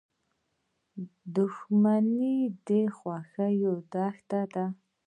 • دښمني د خوښۍ دښمنه ده.